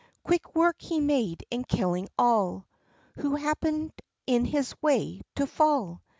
Quick work he made in killing all Who happened in his way to fall.